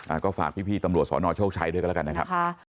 อ่าก็ฝากพี่ตำรวจสนโชคชัยด้วยก็แล้วกันนะครับ